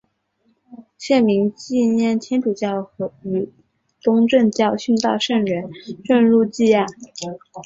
县名纪念天主教与东正教殉道圣人圣路济亚。